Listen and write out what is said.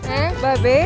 eh mbak be